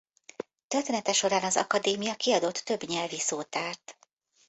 Története során az Akadémia kiadott több nyelvi szótárt.